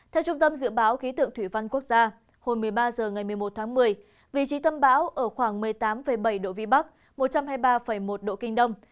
theo trung tâm dự báo khí tượng thủy văn quốc gia hồi một mươi ba h ngày một mươi một tháng một mươi vị trí tâm bão ở khoảng một mươi tám bảy độ vĩ bắc một trăm hai mươi ba một độ kinh đông